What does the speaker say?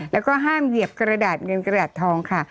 แล้วก็ห้ามเหยียบกระดาษเงินกระดาษทองค่ะ